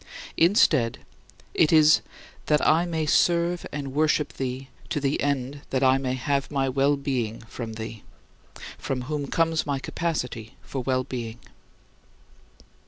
Instead, it is that I may serve and worship thee to the end that I may have my well being from thee, from whom comes my capacity for well being.